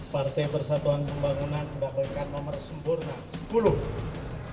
partai persatuan pembangunan mendapatkan nomor sempurna sepuluh